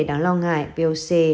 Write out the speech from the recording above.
đáng lo ngại voc